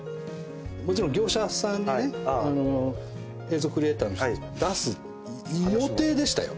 もちろん業者さんにね映像クリエイターの人に出す予定でしたよ。